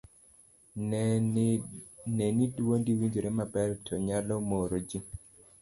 ne ni dwondi winjore maber to nyalo moro ji